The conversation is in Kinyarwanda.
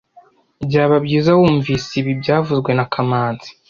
Byaba byiza wunvise ibi byavuzwe na kamanzi